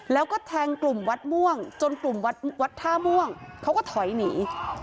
แล้วก็แทงกลุ่มวัดม่วงจนกลุ่มวัดท่าม่วงเขาก็ถอยหนี